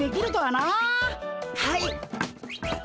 はい。